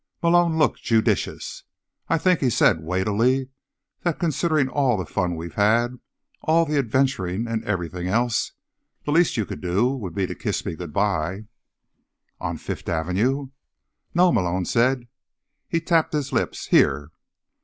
Malone looked judicious. "I think," he said weightily, "that, considering all the fun we've had, and all the adventuring and everything else, the least you could do would be to kiss me goodbye." "On Fifth Avenue?" "No," Malone said. He tapped his lips. "Here."